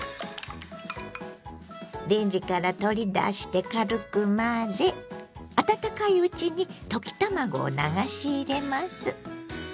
レンジから取り出して軽く混ぜ温かいうちに溶き卵を流し入れます。